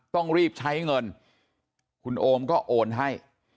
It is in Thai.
ต้องรีบใช้เงินคุณโอมก็โอนให้